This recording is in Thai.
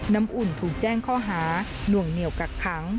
อุ่นถูกแจ้งข้อหาหน่วงเหนียวกักขัง